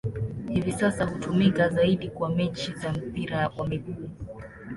Hivi sasa hutumika zaidi kwa mechi za mpira wa miguu.